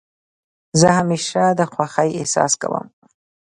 زه همېشه د خوښۍ احساس کوم.